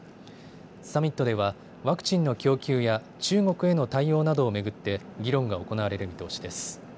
サミットではワクチンの供給や中国への対応などを巡って議論が行われる見通しです。